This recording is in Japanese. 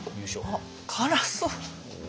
あっ辛そう！